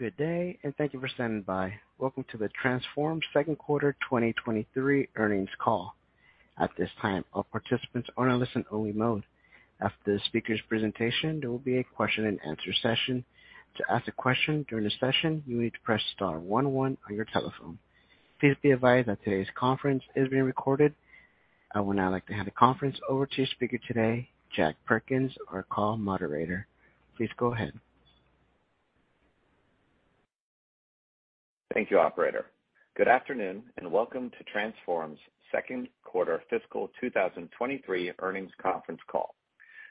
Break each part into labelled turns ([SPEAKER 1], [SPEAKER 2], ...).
[SPEAKER 1] Good day, and thank you for standing by. Welcome to the Transphorm Second Quarter 2023 Earnings Call. At this time, all participants are in a listen-only mode. After the speaker's presentation, there will be a question-and-answer session. To ask a question during the session, you need to press star one one on your telephone. Please be advised that today's conference is being recorded. I would now like to hand the conference over to your speaker today, Jack Perkins, our call moderator. Please go ahead.
[SPEAKER 2] Thank you, operator. Good afternoon, and welcome to Transphorm's second quarter fiscal 2023 earnings conference call.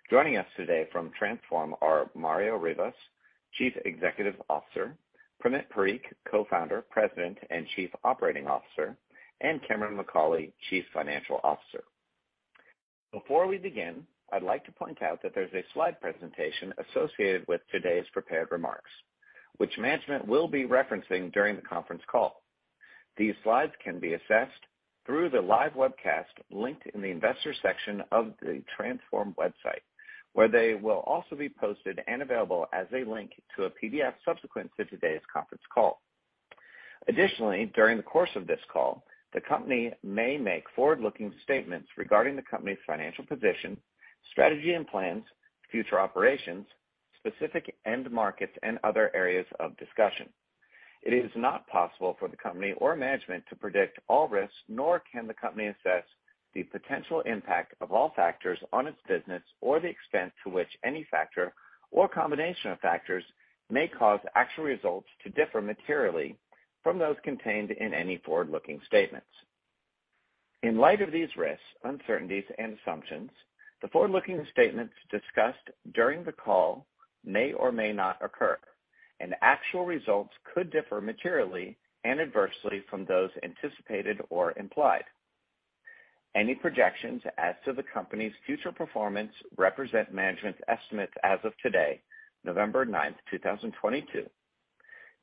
[SPEAKER 2] Joining us today from Transphorm are Mario Rivas, Chief Executive Officer, Primit Parikh, Co-founder, President, and Chief Operating Officer, and Cameron McAulay, Chief Financial Officer. Before we begin, I'd like to point out that there's a slide presentation associated with today's prepared remarks, which management will be referencing during the conference call. These slides can be accessed through the live webcast linked in the investors section of the Transphorm website, where they will also be posted and available as a link to a PDF subsequent to today's conference call. Additionally, during the course of this call, the company may make forward-looking statements regarding the company's financial position, strategy and plans, future operations, specific end markets, and other areas of discussion. It is not possible for the company or management to predict all risks, nor can the company assess the potential impact of all factors on its business or the extent to which any factor or combination of factors may cause actual results to differ materially from those contained in any forward-looking statements. In light of these risks, uncertainties, and assumptions, the forward-looking statements discussed during the call may or may not occur, and actual results could differ materially and adversely from those anticipated or implied. Any projections as to the company's future performance represent management's estimates as of today, November 9th, 2022.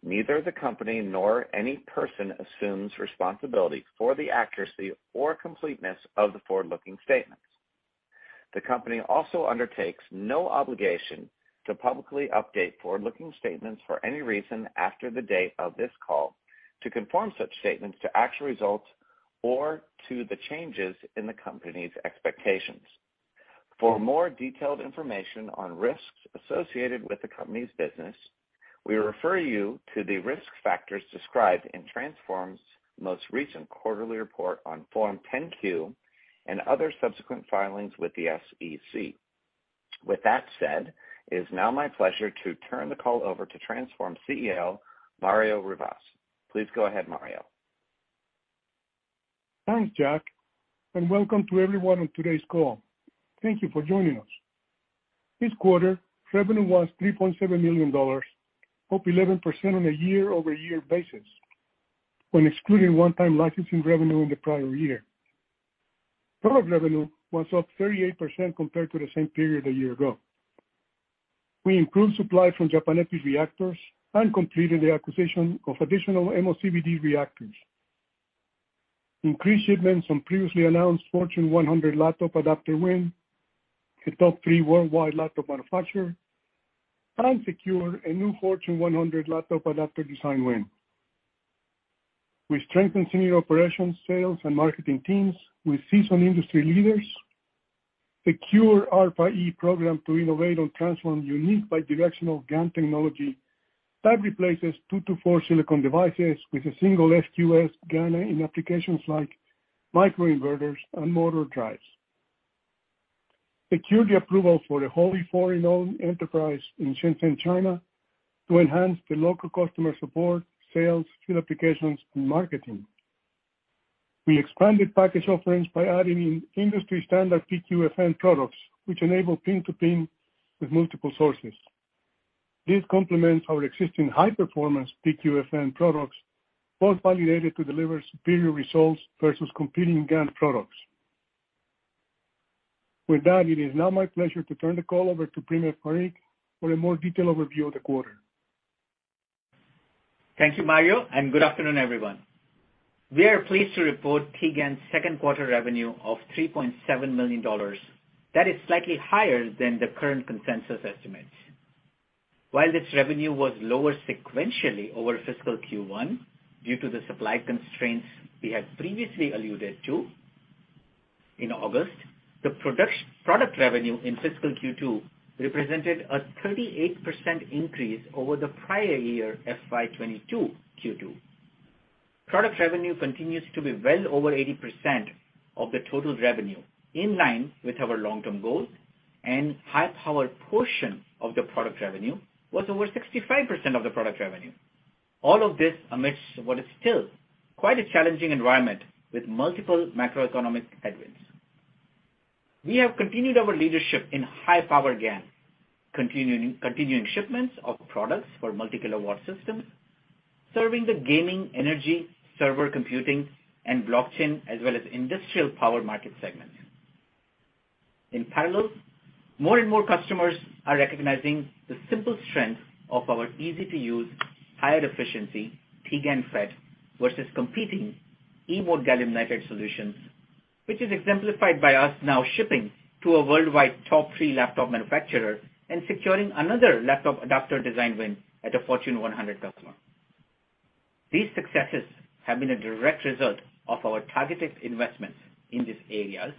[SPEAKER 2] Neither the company nor any person assumes responsibility for the accuracy or completeness of the forward-looking statements. The company also undertakes no obligation to publicly update forward-looking statements for any reason after the date of this call to conform such statements to actual results or to the changes in the company's expectations. For more detailed information on risks associated with the company's business, we refer you to the risk factors described in Transphorm's most recent quarterly report on Form 10-Q and other subsequent filings with the SEC. With that said, it is now my pleasure to turn the call over to Transphorm CEO, Mario Rivas. Please go ahead, Mario.
[SPEAKER 3] Thanks, Jack, and welcome to everyone on today's call. Thank you for joining us. This quarter, revenue was $3.7 million, up 11% on a year-over-year basis when excluding one-time licensing revenue in the prior year. Product revenue was up 38% compared to the same period a year ago. We improved supply from Japan Epi reactors and completed the acquisition of additional MOCVD reactors. Increased shipments from previously announced Fortune 100 laptop adapter win, a top three worldwide laptop manufacturer, and secured a new Fortune 100 laptop adapter design win. We strengthened senior operations, sales, and marketing teams with seasoned industry leaders, secured ARPA-E program to innovate on Transphorm unique bi-directional GaN technology that replaces two to four silicon devices with a single FQS GaN in applications like microinverters and motor drives. Secure the approval for a wholly foreign-owned enterprise in Shenzhen, China, to enhance the local customer support, sales, field applications, and marketing. We expanded package offerings by adding industry-standard PQFN products, which enable pin to pin with multiple sources. This complements our existing high-performance PQFN products, both validated to deliver superior results versus competing GaN products. With that, it is now my pleasure to turn the call over to Primit Parikh for a more detailed overview of the quarter.
[SPEAKER 4] Thank you, Mario, and good afternoon, everyone. We are pleased to report Transphorm's second quarter revenue of $3.7 million. That is slightly higher than the current consensus estimates. While this revenue was lower sequentially over fiscal Q1 due to the supply constraints we had previously alluded to in August, the product revenue in fiscal Q2 represented a 38% increase over the prior year, FY 2022 Q2. Product revenue continues to be well over 80% of the total revenue, in line with our long-term goals, and high-powered portion of the product revenue was over 65% of the product revenue. All of this amidst what is still quite a challenging environment with multiple macroeconomic headwinds. We have continued our leadership in high-power GaN, continuing shipments of products for multi-kilowatt systems, serving the gaming, energy, server computing, and blockchain, as well as industrial power market segments. In parallel, more and more customers are recognizing the simple strength of our easy-to-use, higher efficiency T-GaN FET versus competing E-mode gallium nitride solutions, which is exemplified by us now shipping to a worldwide top three laptop manufacturer and securing another laptop adapter design win at a Fortune 100 customer. These successes have been a direct result of our targeted investments in these areas,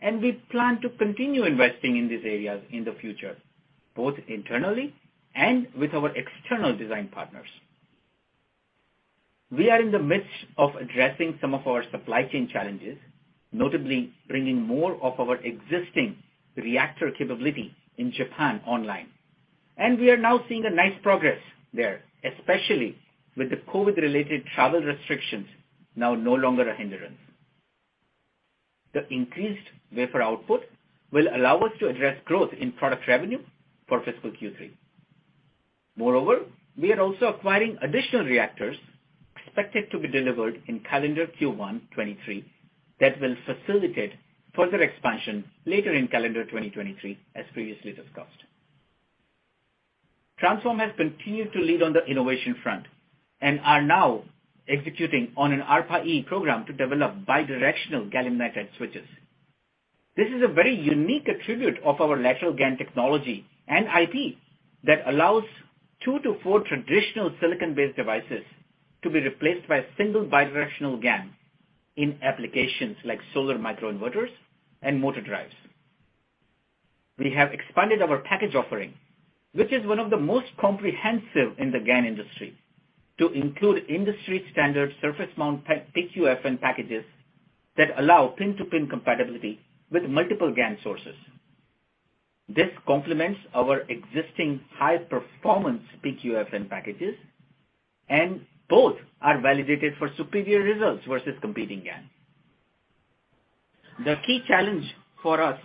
[SPEAKER 4] and we plan to continue investing in these areas in the future, both internally and with our external design partners. We are in the midst of addressing some of our supply chain challenges, notably bringing more of our existing reactor capability in Japan online, and we are now seeing a nice progress there, especially with the COVID-related travel restrictions now no longer a hindrance. The increased wafer output will allow us to address growth in product revenue for fiscal Q3. Moreover, we are also acquiring additional reactors expected to be delivered in calendar Q1 2023 that will facilitate further expansion later in calendar 2023, as previously discussed. Transphorm has continued to lead on the innovation front and are now executing on an ARPA-E program to develop bi-directional gallium nitride switches. This is a very unique attribute of our lateral GaN technology and IP that allows two to four traditional silicon-based devices to be replaced by a single bi-directional GaN in applications like solar micro inverters and motor drives. We have expanded our package offering, which is one of the most comprehensive in the GaN industry, to include industry-standard surface mount PQFN packages that allow pin-to-pin compatibility with multiple GaN sources. This complements our existing high-performance PQFN packages, and both are validated for superior results versus competing GaNs. The key challenge for us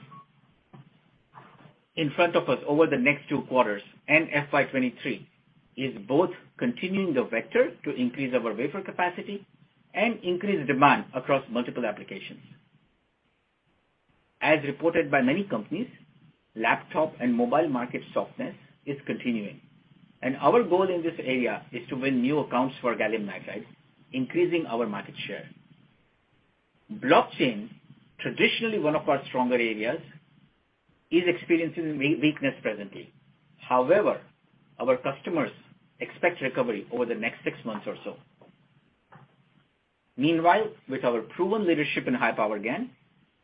[SPEAKER 4] in front of us over the next two quarters and FY 2023 is both continuing the vector to increase our wafer capacity and increase demand across multiple applications. As reported by many companies, laptop and mobile market softness is continuing, and our goal in this area is to win new accounts for gallium nitride, increasing our market share. Blockchain, traditionally one of our stronger areas, is experiencing weakness presently. However, our customers expect recovery over the next six months or so. Meanwhile, with our proven leadership in high-power GaN,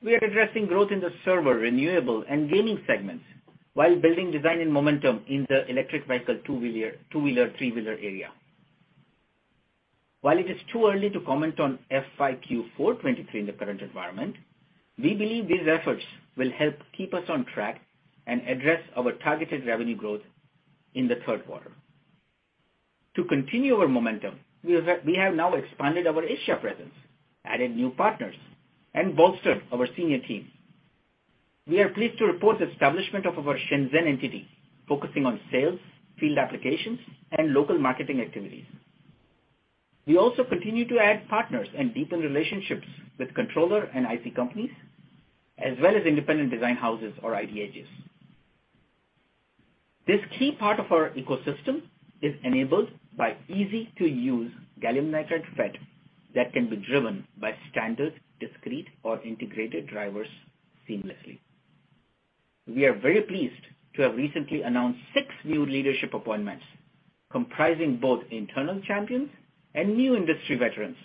[SPEAKER 4] we are addressing growth in the server, renewable, and gaming segments while building design and momentum in the electric vehicle, two-wheeler, three-wheeler area. While it is too early to comment on FY Q4 2023 in the current environment, we believe these efforts will help keep us on track and address our targeted revenue growth in the third quarter. To continue our momentum, we have now expanded our Asia presence, added new partners, and bolstered our senior team. We are pleased to report the establishment of our Shenzhen entity focusing on sales, field applications, and local marketing activities. We also continue to add partners and deepen relationships with controller and IC companies, as well as independent design houses or IDHs. This key part of our ecosystem is enabled by easy-to-use gallium nitride FET that can be driven by standard, discrete, or integrated drivers seamlessly. We are very pleased to have recently announced six new leadership appointments comprising both internal champions and new industry veterans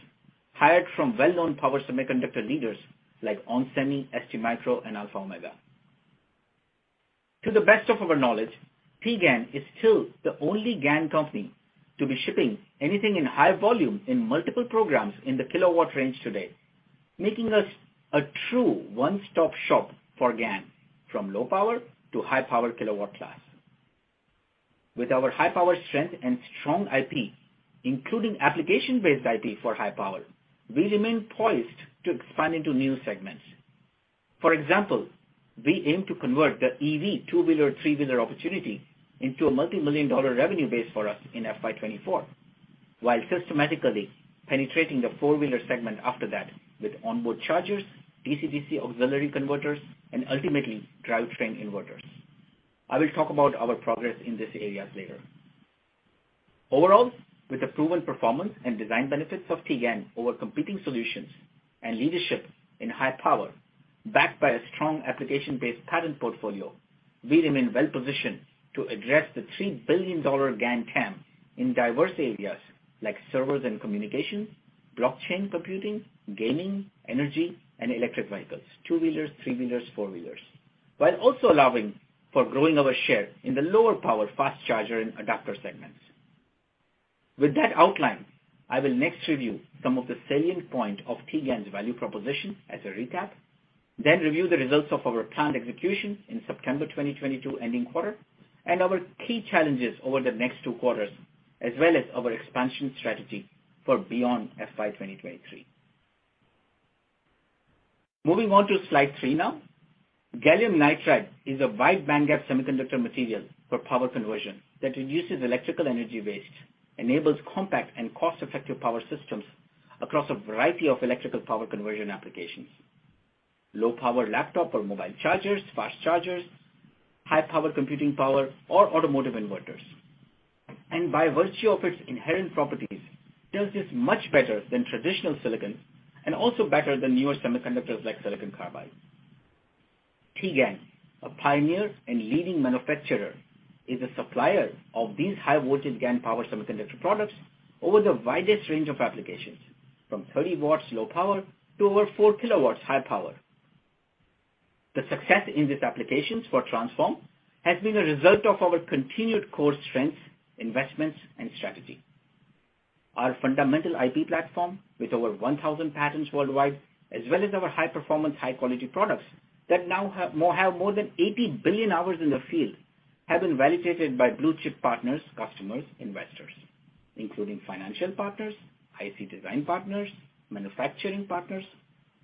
[SPEAKER 4] hired from well-known power semiconductor leaders like onsemi, STMicroelectronics, and Alpha and Omega Semiconductor. To the best of our knowledge, Transphorm is still the only GaN company to be shipping anything in high volume in multiple programs in the kilowatt range today, making us a true one-stop shop for GaN from low power to high power kilowatt class. With our high power strength and strong IP, including application-based IP for high power, we remain poised to expand into new segments. For example, we aim to convert the EV two-wheeler, three-wheeler opportunity into a multi-million dollar revenue base for us in FY 2024, while systematically penetrating the four-wheeler segment after that with onboard chargers, DC-DC auxiliary converters, and ultimately drivetrain inverters. I will talk about our progress in these areas later. Overall, with the proven performance and design benefits of Transphorm over competing solutions and leadership in high power, backed by a strong application-based patent portfolio, we remain well-positioned to address the $3 billion GaN TAM in diverse areas like servers and communications, blockchain computing, gaming, energy, and electric vehicles, two-wheelers, three-wheelers, four-wheelers, while also allowing for growing our share in the lower power fast charger and adapter segments. With that outline, I will next review some of the salient points of Transphorm's value proposition as a recap, then review the results of our planned execution in September 2022 ending quarter, and our key challenges over the next two quarters, as well as our expansion strategy for beyond FY 2023. Moving on to slide three now. Gallium nitride is a wide bandgap semiconductor material for power conversion that reduces electrical energy waste, enables compact and cost-effective power systems across a variety of electrical power conversion applications. Low power laptop or mobile chargers, fast chargers, high power computing power, or automotive inverters. By virtue of its inherent properties, does this much better than traditional silicon and also better than newer semiconductors like silicon carbide. Transphorm, a pioneer and leading manufacturer, is a supplier of these high voltage GaN power semiconductor products over the widest range of applications, from 30W low power to over 4kW high power. The success in these applications for Transphorm has been a result of our continued core strengths, investments, and strategy. Our fundamental IP platform with over 1,000 patents worldwide, as well as our high-performance, high-quality products that now have more than 80 billion hours in the field, have been validated by blue-chip partners, customers, investors, including financial partners, IC design partners, manufacturing partners,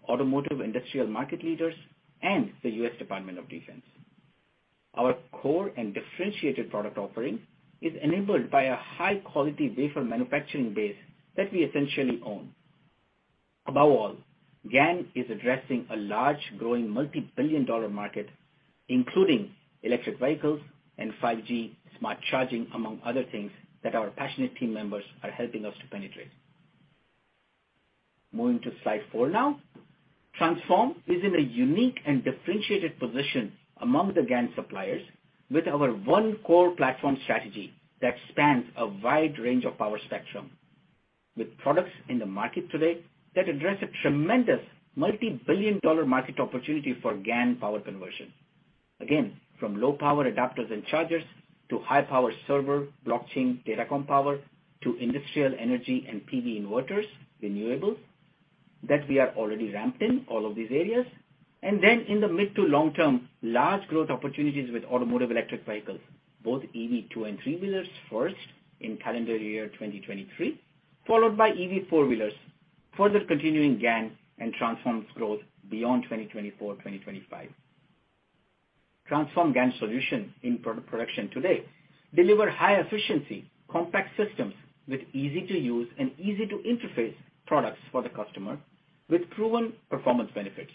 [SPEAKER 4] automotive industrial market leaders, and the U.S. Department of Defense. Our core and differentiated product offering is enabled by a high-quality wafer manufacturing base that we essentially own. Above all, GaN is addressing a large, growing multi-billion-dollar market, including electric vehicles and 5G smart charging, among other things that our passionate team members are helping us to penetrate. Moving to slide four now. Transphorm is in a unique and differentiated position among the GaN suppliers with our one core platform strategy that spans a wide range of power spectrum, with products in the market today that address a tremendous multi-billion-dollar market opportunity for GaN power conversion. Again, from low power adapters and chargers to high power server, blockchain, datacom power to industrial energy and PV inverters, renewables, that we are already ramped in all of these areas. In the mid to long term, large growth opportunities with automotive electric vehicles, both EV two and three-wheelers first in calendar year 2023, followed by EV four-wheelers, further continuing GaN and Transphorm's growth beyond 2024, 2025. Transphorm GaN solutions in pre-production today deliver high efficiency, compact systems with easy-to-use and easy-to-interface products for the customer with proven performance benefits,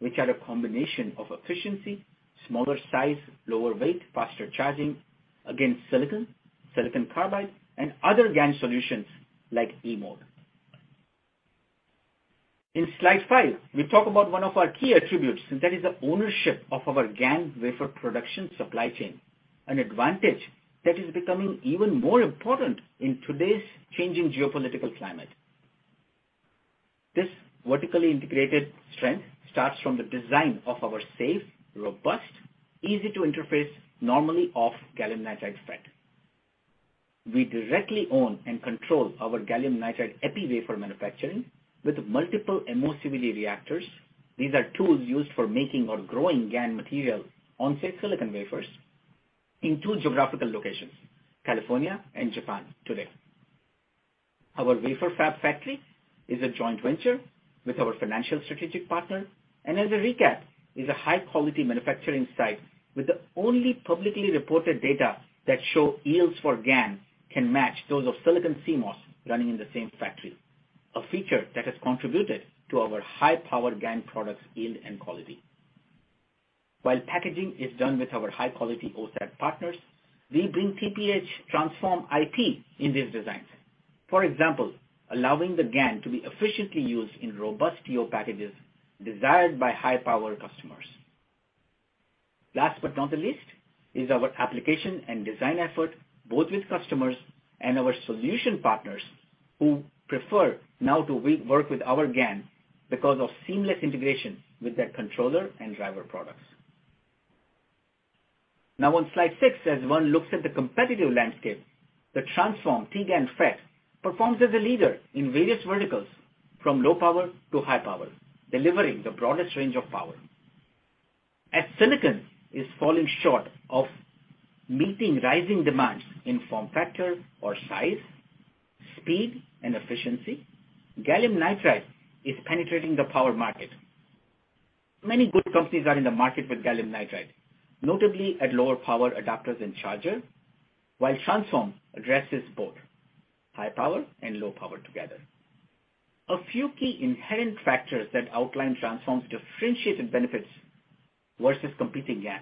[SPEAKER 4] which are a combination of efficiency, smaller size, lower weight, faster charging against silicon carbide and other GaN solutions like E-mode. In slide five, we talk about one of our key attributes, and that is the ownership of our GaN wafer production supply chain, an advantage that is becoming even more important in today's changing geopolitical climate. This vertically integrated strength starts from the design of our safe, robust, easy-to-interface, normally off gallium nitride FET. We directly own and control our gallium nitride epi wafer manufacturing with multiple MOCVD reactors. These are tools used for making or growing GaN material on said silicon wafers in two geographical locations, California and Japan today. Our wafer fab factory is a joint venture with our financial strategic partner, and as a recap, is a high-quality manufacturing site with the only publicly reported data that show yields for GaN can match those of silicon CMOS running in the same factory, a feature that has contributed to our high-power GaN products yield and quality. While packaging is done with our high-quality OSAT partners, we bring TPH Transphorm IP in these designs. For example, allowing the GaN to be efficiently used in robust TO packages desired by high-power customers. Last but not the least is our application and design effort, both with customers and our solution partners who prefer now to rework with our GaN because of seamless integration with their controller and driver products. Now on slide six, as one looks at the competitive landscape, the Transphorm T-GaN FET performs as a leader in various verticals from low power to high power, delivering the broadest range of power. As silicon is falling short of meeting rising demands in form factor or size, speed and efficiency, gallium nitride is penetrating the power market. Many good companies are in the market with gallium nitride, notably at lower power adapters and chargers, while Transphorm addresses both high power and low power together. A few key inherent factors that outline Transphorm's differentiated benefits versus competing GaN.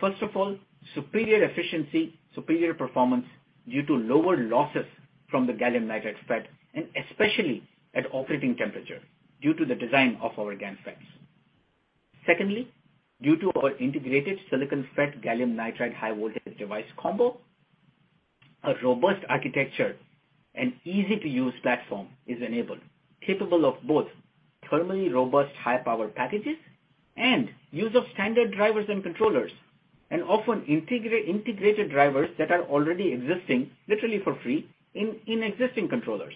[SPEAKER 4] First of all, superior efficiency, superior performance due to lower losses from the gallium nitride FET, and especially at operating temperature due to the design of our GaN FETs. Secondly, due to our integrated silicon FET gallium nitride high voltage device combo, a robust architecture and easy-to-use platform is enabled, capable of both thermally robust high power packages and use of standard drivers and controllers, and often integrated drivers that are already existing literally for free in existing controllers.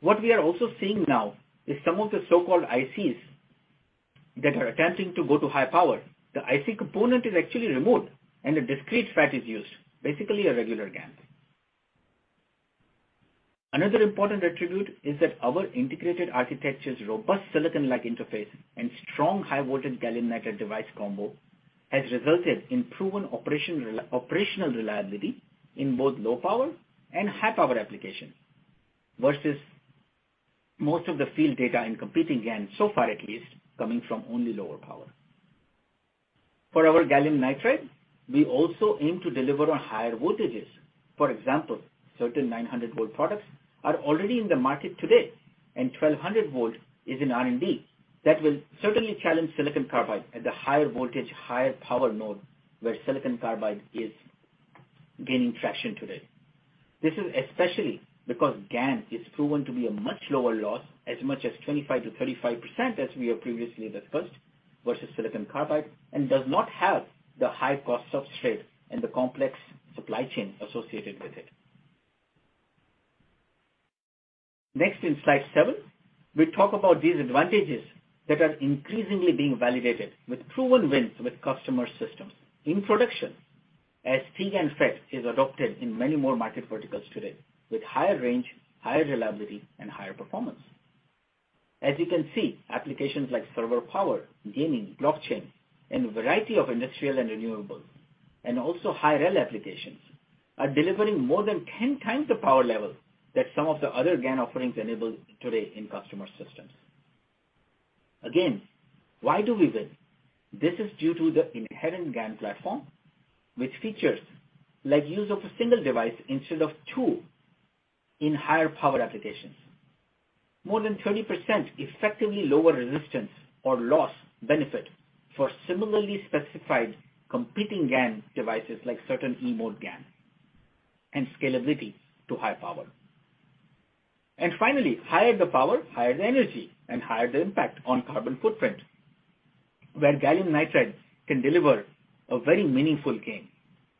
[SPEAKER 4] What we are also seeing now is some of the so-called ICs that are attempting to go to high power. The IC component is actually removed and a discrete FET is used, basically a regular GaN. Another important attribute is that our integrated architecture's robust silicon-like interface and strong high voltage gallium nitride device combo has resulted in proven operational reliability in both low power and high power applications versus most of the field data in competing GaN, so far at least, coming from only lower power. For our gallium nitride, we also aim to deliver on higher voltages. For example, certain 900-V products are already in the market today, and 1,200V is in R&D. That will certainly challenge silicon carbide at the higher voltage, higher power node, where silicon carbide is gaining traction today. This is especially because GaN is proven to be a much lower loss, as much as 25%-35%, as we have previously discussed, versus silicon carbide, and does not have the high cost substrate and the complex supply chain associated with it. Next in slide seven, we talk about these advantages that are increasingly being validated with proven wins with customer systems in production as T-GaN FET is adopted in many more market verticals today with higher range, higher reliability and higher performance. As you can see, applications like server power, gaming, blockchain, and a variety of industrial and renewable, and also high-rel applications, are delivering more than 10 times the power level that some of the other GaN offerings enable today in customer systems. Again, why do we win? This is due to the inherent GaN platform, with features like use of a single device instead of two in higher power applications. More than 30% effectively lower resistance or loss benefit for similarly specified competing GaN devices like certain E-mode GaN and scalability to high power. Finally, higher the power, higher the energy, and higher the impact on carbon footprint, where gallium nitride can deliver a very meaningful gain.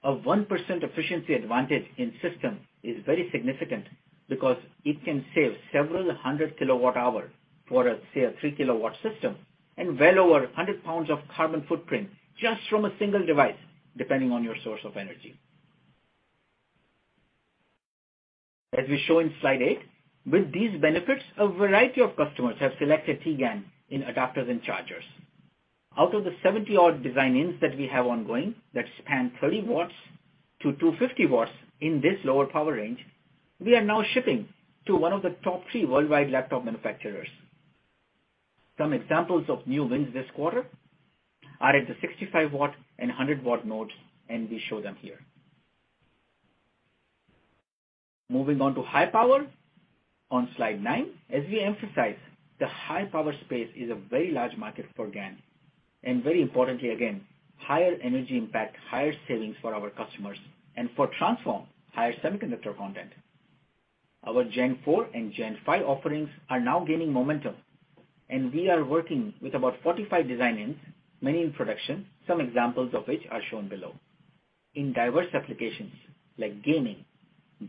[SPEAKER 4] A 1% efficiency advantage in system is very significant because it can save several hundred kWh for, say, a 3-kW system, and well over 100 lbs of carbon footprint just from a single device, depending on your source of energy. As we show in slide eight, with these benefits, a variety of customers have selected T-GaN in adapters and chargers. Out of the 70-odd design-ins that we have ongoing that span 30 W to 250 W in this lower power range, we are now shipping to one of the top three worldwide laptop manufacturers. Some examples of new wins this quarter are at the 65-W and 100-W nodes, and we show them here. Moving on to high power on slide nine. As we emphasize, the high-power space is a very large market for GaN, and very importantly again, higher energy impact, higher savings for our customers, and for Transphorm, higher semiconductor content. Our Gen IV and Gen V offerings are now gaining momentum, and we are working with about 45 design-ins, many in production, some examples of which are shown below. In diverse applications like gaming,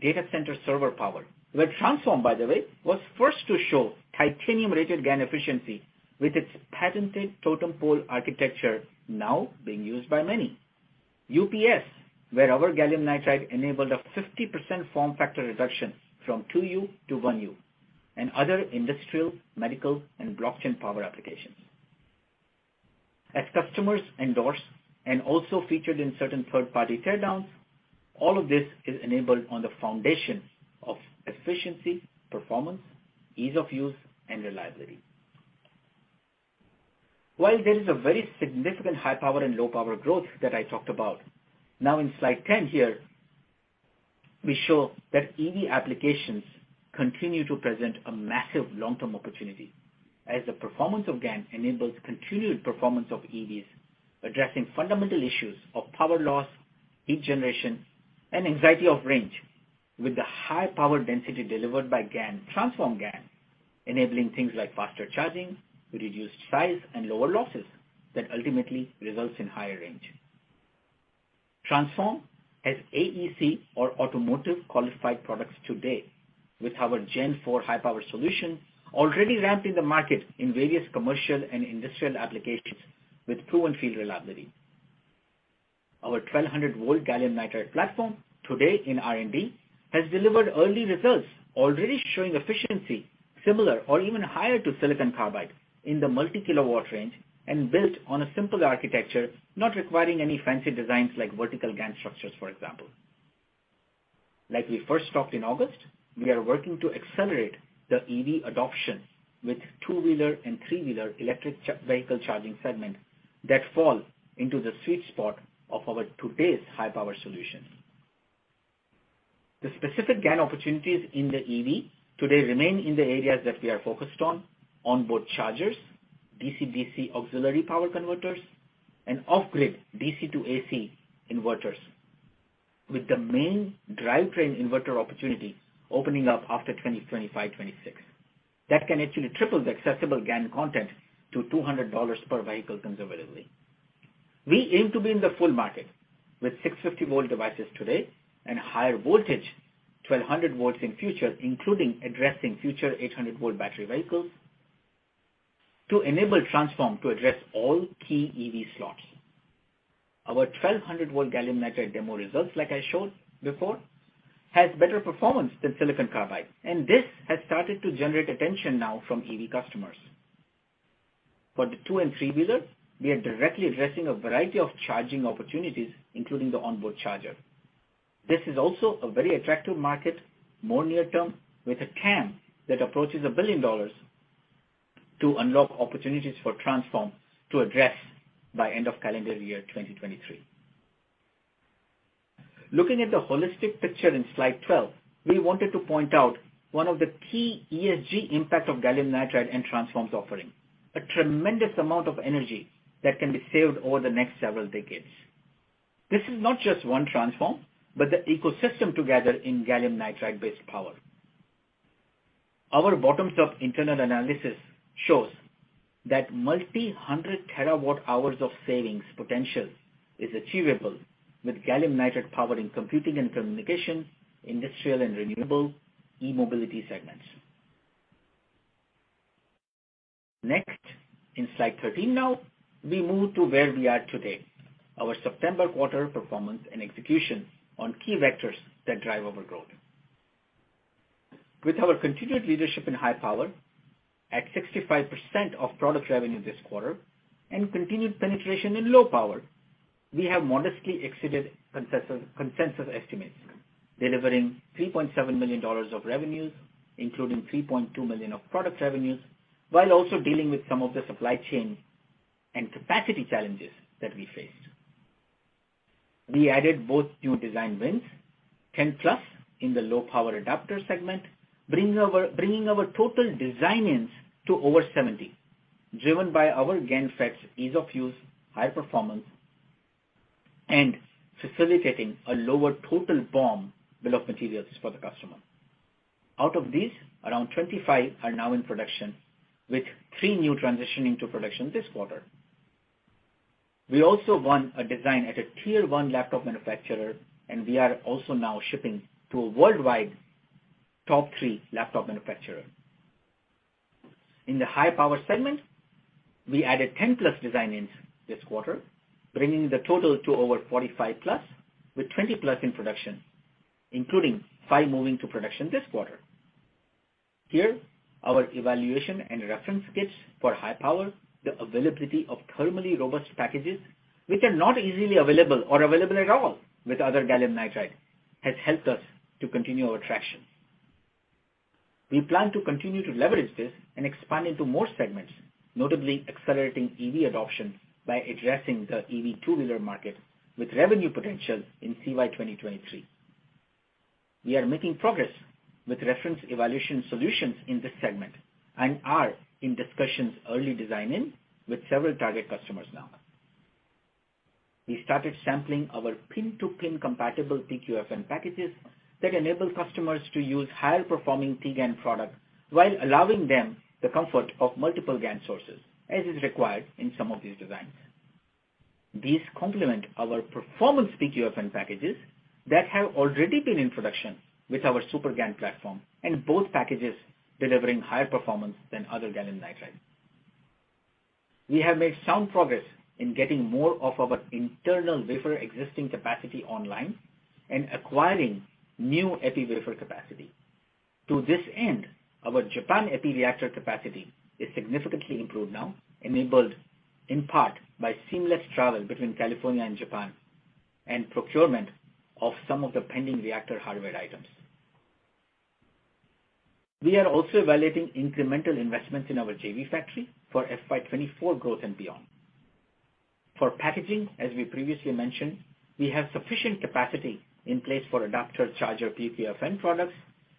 [SPEAKER 4] data center server power, where Transphorm, by the way, was first to show Titanium-rated GaN efficiency with its patented totem-pole architecture now being used by many, UPS, where our gallium nitride enabled a 50% form factor reduction from two U to one U, and other industrial, medical, and blockchain power applications. As customers endorse and also featured in certain third-party teardowns, all of this is enabled on the foundations of efficiency, performance, ease of use and reliability. While there is a very significant high power and low power growth that I talked about, now in slide ten here, we show that EV applications continue to present a massive long-term opportunity as the performance of GaN enables continued performance of EVs, addressing fundamental issues of power loss, heat generation and anxiety of range with the high power density delivered by GaN, Transphorm GaN, enabling things like faster charging, reduced size and lower losses that ultimately results in higher range. Transphorm has AEC or automotive qualified products today with our Gen Four high-power solution already ramped in the market in various commercial and industrial applications with proven field reliability. Our 1,200-volt gallium nitride platform today in R&D has delivered early results, already showing efficiency similar or even higher to silicon carbide in the multi-kilowatt range and built on a simple architecture, not requiring any fancy designs like vertical GaN structures, for example. Like we first talked in August, we are working to accelerate the EV adoption with two-wheeler and three-wheeler electric vehicle charging segment that fall into the sweet spot of our today's high-power solution. The specific GaN opportunities in the EV today remain in the areas that we are focused on, onboard chargers, DC-DC auxiliary power converters, and off-grid DC to AC inverters, with the main drivetrain inverter opportunity opening up after 2025, 2026. That can actually triple the accessible GaN content to $200 per vehicle conservatively. We aim to be in the full market with 650-volt devices today and higher voltage, 1,200V in future, including addressing future 800-volt battery vehicles, to enable Transphorm to address all key EV slots. Our 1,200-volt gallium nitride demo results, like I showed before, has better performance than silicon carbide, and this has started to generate attention now from EV customers. For the two- and three-wheeler, we are directly addressing a variety of charging opportunities, including the onboard charger. This is also a very attractive market, more near-term, with a TAM that approaches $1 billion to unlock opportunities for Transphorm to address by end of calendar year 2023. Looking at the holistic picture in slide 12, we wanted to point out one of the key ESG impact of gallium nitride and Transphorm's offering, a tremendous amount of energy that can be saved over the next several decades. This is not just one Transphorm, but the ecosystem together in gallium nitride-based power. Our bottom-up internal analysis shows that multi-hundred terawatt-hours of savings potential is achievable with gallium nitride power in computing and communication, industrial and renewable e-mobility segments. Next, in slide 13 now, we move to where we are today, our September quarter performance and execution on key vectors that drive our growth. With our continued leadership in high power at 65% of product revenue this quarter and continued penetration in low power, we have modestly exceeded consensus estimates, delivering $3.7 million of revenues, including $3.2 million of product revenues, while also dealing with some of the supply chain and capacity challenges that we faced. We added both new design wins, 10+ in the low power adapter segment, bringing our total design-ins to over 70, driven by our GaN FET's ease of use, high performance, and facilitating a lower total BOM bill of materials for the customer. Out of these, around 25 are now in production, with three new transitioning to production this quarter. We also won a design at a tier one laptop manufacturer, and we are also now shipping to a worldwide top three laptop manufacturer. In the high power segment, we added 10+ design-ins this quarter, bringing the total to over 45+, with 20+ in production, including five moving to production this quarter. Here, our evaluation and reference kits for high power, the availability of thermally robust packages, which are not easily available or available at all with other gallium nitride, has helped us to continue our traction. We plan to continue to leverage this and expand into more segments, notably accelerating EV adoption by addressing the EV two-wheeler market with revenue potential in CY 2023. We are making progress with reference evaluation solutions in this segment and are in discussions early design-in with several target customers now. We started sampling our pin-to-pin compatible PQFN packages that enable customers to use higher performing T-GaN products while allowing them the comfort of multiple GaN sources, as is required in some of these designs. These complement our performance PQFN packages that have already been in production with our SuperGaN platform, and both packages delivering higher performance than other gallium nitride. We have made sound progress in getting more of our internal wafer existing capacity online and acquiring new epi wafer capacity. To this end, our Japan epi reactor capacity is significantly improved now, enabled in part by seamless travel between California and Japan and procurement of some of the pending reactor hardware items. We are also evaluating incremental investments in our JV factory for FY 2024 growth and beyond. For packaging, as we previously mentioned, we have sufficient capacity in place for adapter charger PQFN products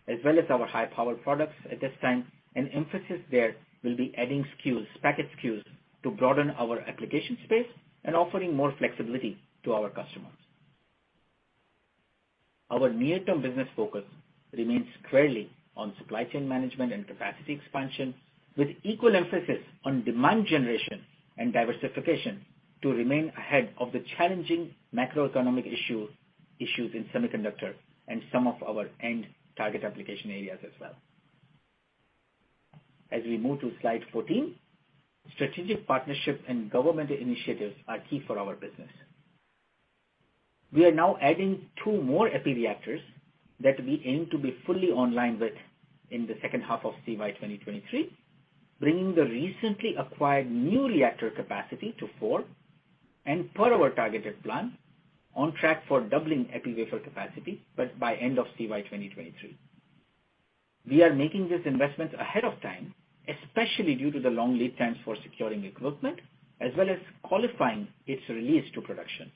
[SPEAKER 4] as well as our high-power products at this time, and emphasis there will be adding SKUs, package SKUs, to broaden our application space and offering more flexibility to our customers. Our near-term business focus remains squarely on supply chain management and capacity expansion, with equal emphasis on demand generation and diversification to remain ahead of the challenging macroeconomic issues in semiconductor and some of our end target application areas as well. As we move to slide 14, strategic partnership and government initiatives are key for our business. We are now adding two more epi reactors that we aim to be fully online with in the second half of CY 2023, bringing the recently acquired new reactor capacity to 4 and per our targeted plan on track for doubling epi wafer capacity, but by end of CY 2023. We are making these investments ahead of time, especially due to the long lead times for securing equipment as well as qualifying its release to production.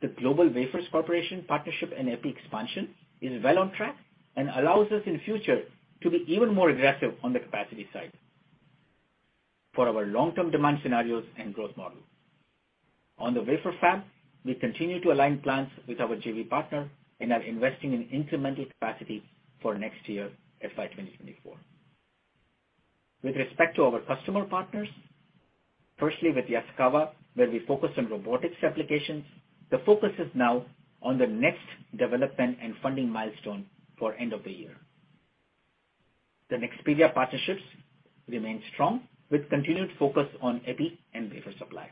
[SPEAKER 4] The GlobalWafers Corporation partnership and epi expansion is well on track and allows us in future to be even more aggressive on the capacity side for our long-term demand scenarios and growth model. On the wafer fab, we continue to align plans with our JV partner and are investing in incremental capacity for next year, FY 2024. With respect to our customer partners, firstly with Yaskawa, where we focus on robotics applications, the focus is now on the next development and funding milestone for end of the year. The Nexperia partnerships remain strong with continued focus on epi and wafer supply.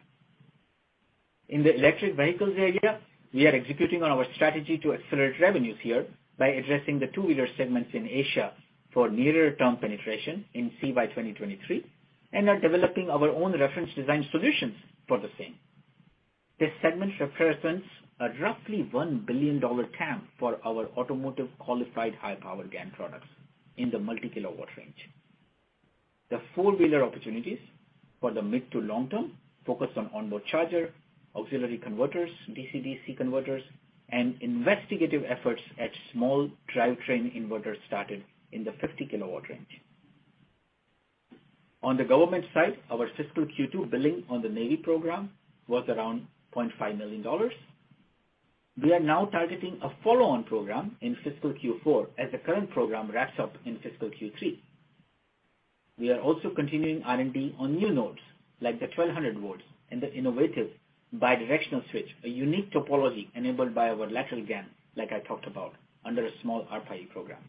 [SPEAKER 4] In the electric vehicles area, we are executing on our strategy to accelerate revenues here by addressing the two-wheeler segments in Asia for nearer term penetration in CY 2023, and are developing our own reference design solutions for the same. This segment represents a roughly $1 billion TAM for our automotive qualified high power GaN products in the multi-kilowatt range. The four-wheeler opportunities for the mid to long term focus on onboard charger, auxiliary converters, DC/DC converters, and investigative efforts at small drivetrain inverters started in the 50-kW range. On the government side, our fiscal Q2 billing on the Navy program was around $0.5 million. We are now targeting a follow-on program in fiscal Q4 as the current program wraps up in fiscal Q3. We are also continuing R&D on new nodes like the 1,200V and the innovative bi-directional switch, a unique topology enabled by our lateral GaN, like I talked about under a small ARPA-E program.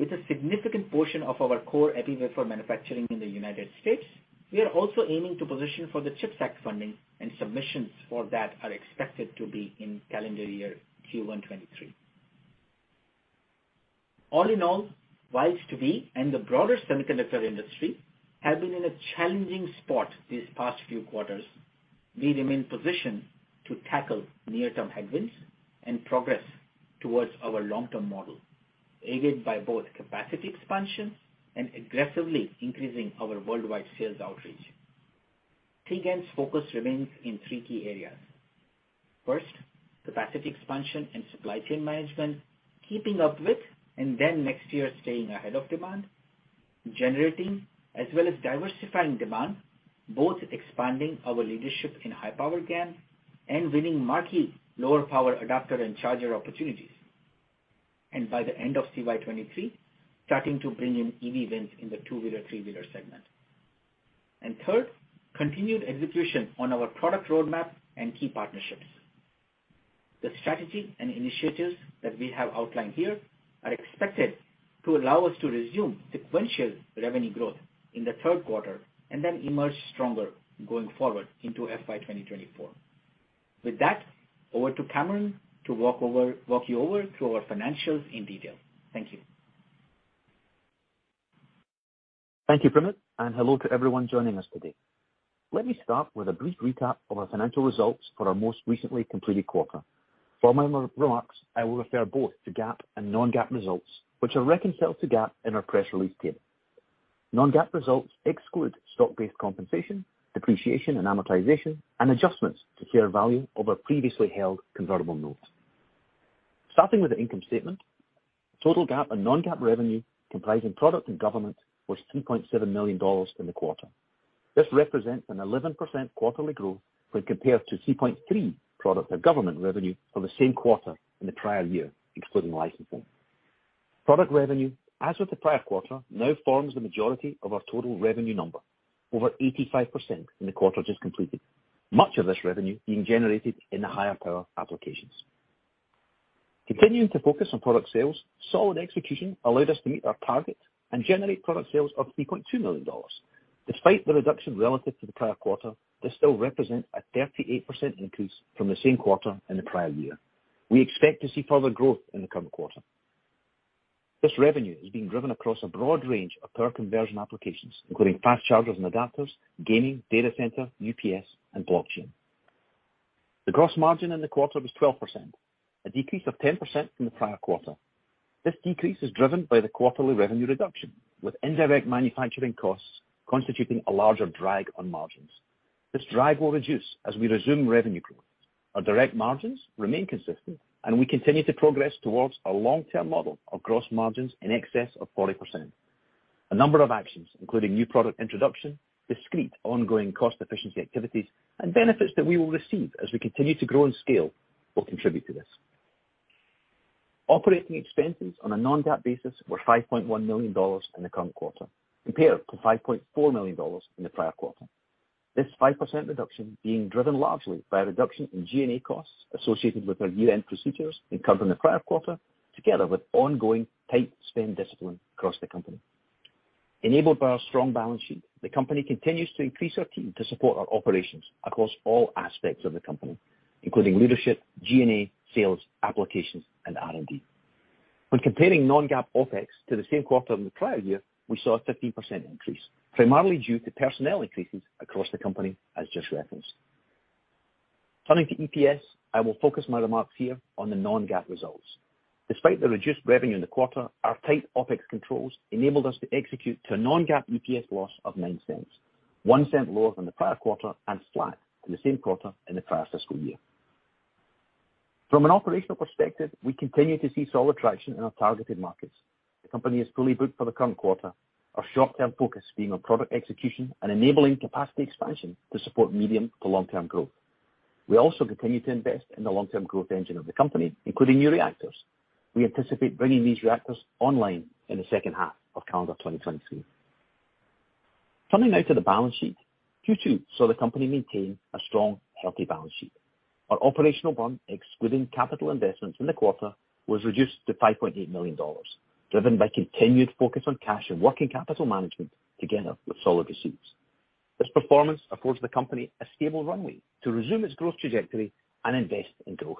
[SPEAKER 4] With a significant portion of our core epi wafer manufacturing in the United States, we are also aiming to position for the CHIPS Act funding, and submissions for that are expected to be in calendar year Q1 2023. All in all, while II-VI and the broader semiconductor industry have been in a challenging spot these past few quarters, we remain positioned to tackle near-term headwinds and progress towards our long-term model, aided by both capacity expansion and aggressively increasing our worldwide sales outreach. GaN's focus remains in three key areas. First, capacity expansion and supply chain management, keeping up with and then next year staying ahead of demand. Generating as well as diversifying demand, both expanding our leadership in high power GaN and winning marquee lower power adapter and charger opportunities. By the end of CY 2023, starting to bring in EV wins in the two-wheeler, three-wheeler segment. Third, continued execution on our product roadmap and key partnerships. The strategy and initiatives that we have outlined here are expected to allow us to resume sequential revenue growth in the third quarter and then emerge stronger going forward into FY 2024. With that, over to Cameron to walk you through our financials in detail. Thank you.
[SPEAKER 5] Thank you, Primit, and hello to everyone joining us today. Let me start with a brief recap of our financial results for our most recently completed quarter. For my re-remarks, I will refer both to GAAP and non-GAAP results, which are reconciled to GAAP in our press release kit. Non-GAAP results exclude stock-based compensation, depreciation and amortization, and adjustments to share value over previously held convertible notes. Starting with the income statement, total GAAP and non-GAAP revenue comprising product and government was $3.7 million in the quarter. This represents an 11% quarterly growth when compared to $3.3 million product and government revenue for the same quarter in the prior year, excluding licensing. Product revenue, as with the prior quarter, now forms the majority of our total revenue number, over 85% in the quarter just completed, much of this revenue being generated in the higher power applications. Continuing to focus on product sales, solid execution allowed us to meet our target and generate product sales of $3.2 million. Despite the reduction relative to the prior quarter, this still represent a 38% increase from the same quarter in the prior year. We expect to see further growth in the current quarter. This revenue is being driven across a broad range of power conversion applications, including fast chargers and adapters, gaming, data center, UPS, and blockchain. The gross margin in the quarter was 12%, a decrease of 10% from the prior quarter. This decrease is driven by the quarterly revenue reduction, with indirect manufacturing costs constituting a larger drag on margins. This drag will reduce as we resume revenue growth. Our direct margins remain consistent, and we continue to progress towards a long-term model of gross margins in excess of 40%. A number of actions, including new product introduction, discrete ongoing cost efficiency activities, and benefits that we will receive as we continue to grow and scale will contribute to this. Operating expenses on a non-GAAP basis were $5.1 million in the current quarter, compared to $5.4 million in the prior quarter. This 5% reduction being driven largely by a reduction in G&A costs associated with our year-end procedures incurred in the prior quarter, together with ongoing tight spend discipline across the company. Enabled by our strong balance sheet, the company continues to increase our team to support our operations across all aspects of the company, including leadership, G&A, sales, applications, and R&D. When comparing non-GAAP OpEx to the same quarter in the prior year, we saw a 13% increase, primarily due to personnel increases across the company as just referenced. Turning to EPS, I will focus my remarks here on the non-GAAP results. Despite the reduced revenue in the quarter, our tight OpEx controls enabled us to execute to a non-GAAP EPS loss of $0.09, $0.01 lower than the prior quarter and flat in the same quarter in the prior fiscal year. From an operational perspective, we continue to see solid traction in our targeted markets. The company is fully booked for the current quarter. Our short-term focus being on product execution and enabling capacity expansion to support medium- to long-term growth. We also continue to invest in the long-term growth engine of the company, including new reactors. We anticipate bringing these reactors online in the second half of calendar 2023. Turning now to the balance sheet. Q2 saw the company maintain a strong, healthy balance sheet. Our operational burn, excluding capital investments in the quarter, was reduced to $5.8 million, driven by continued focus on cash and working capital management together with solid receipts. This performance affords the company a stable runway to resume its growth trajectory and invest in growth.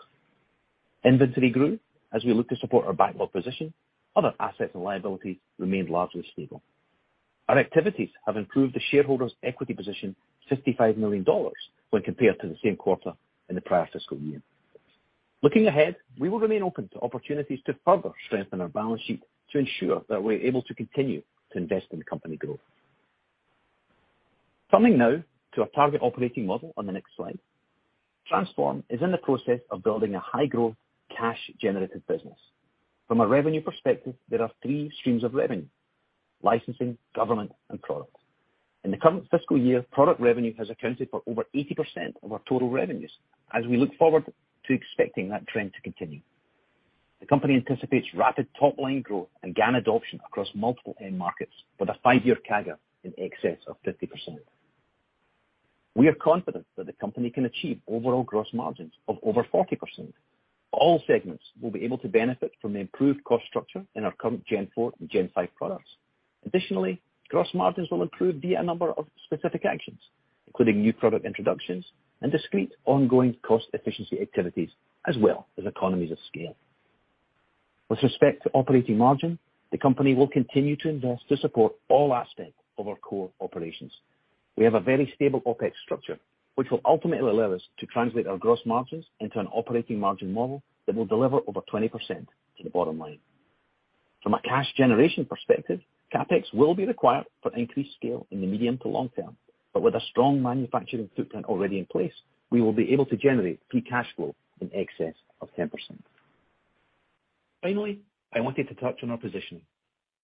[SPEAKER 5] Inventory grew as we look to support our backlog position. Other assets and liabilities remained largely stable. Our activities have improved the shareholders' equity position $55 million when compared to the same quarter in the prior fiscal year. Looking ahead, we will remain open to opportunities to further strengthen our balance sheet to ensure that we're able to continue to invest in the company growth. Turning now to our target operating model on the next slide. Transphorm is in the process of building a high-growth, cash-generative business. From a revenue perspective, there are three streams of revenue: licensing, government, and product. In the current fiscal year, product revenue has accounted for over 80% of our total revenues, as we look forward to expecting that trend to continue. The company anticipates rapid top-line growth and GaN adoption across multiple end markets with a five-year CAGR in excess of 50%. We are confident that the company can achieve overall gross margins of over 40%. All segments will be able to benefit from the improved cost structure in our current Gen Four and Gen Five products. Gross margins will improve via a number of specific actions, including new product introductions and discrete ongoing cost efficiency activities, as well as economies of scale. With respect to operating margin, the company will continue to invest to support all aspects of our core operations. We have a very stable OpEx structure, which will ultimately allow us to translate our gross margins into an operating margin model that will deliver over 20% to the bottom line. From a cash generation perspective, CapEx will be required for increased scale in the medium to long term, but with a strong manufacturing footprint already in place, we will be able to generate free cash flow in excess of 10%. Finally, I wanted to touch on our positioning.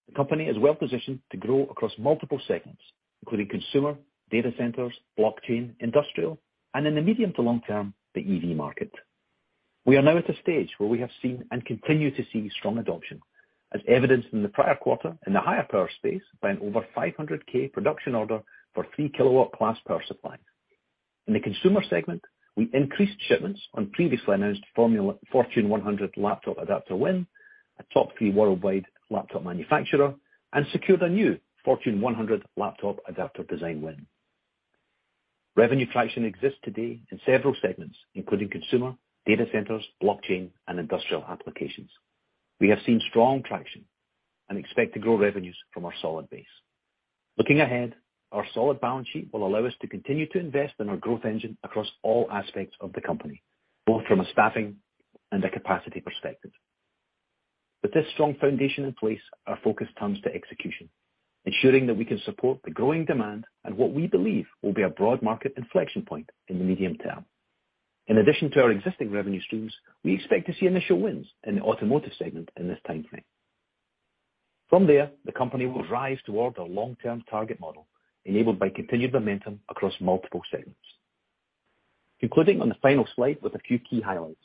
[SPEAKER 5] The company is well positioned to grow across multiple segments, including consumer, data centers, blockchain, industrial, and in the medium to long term, the EV market. We are now at a stage where we have seen and continue to see strong adoption, as evidenced in the prior quarter in the higher power space by an over 500K production order for 3-kW class power supply. In the consumer segment, we increased shipments on previously announced Fortune 100 laptop adapter win, a top three worldwide laptop manufacturer, and secured a new Fortune 100 laptop adapter design win. Revenue traction exists today in several segments, including consumer, data centers, blockchain, and industrial applications. We have seen strong traction and expect to grow revenues from our solid base. Looking ahead, our solid balance sheet will allow us to continue to invest in our growth engine across all aspects of the company, both from a staffing and a capacity perspective. With this strong foundation in place, our focus turns to execution, ensuring that we can support the growing demand and what we believe will be a broad market inflection point in the medium term. In addition to our existing revenue streams, we expect to see initial wins in the automotive segment in this time frame. From there, the company will rise toward our long-term target model, enabled by continued momentum across multiple segments. Concluding on the final slide with a few key highlights.